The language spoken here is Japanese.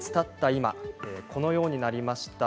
今このようになりました。